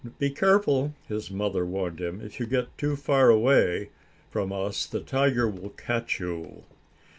"Be careful," his mother warned him. "If you get too far away from us, the tiger will catch you."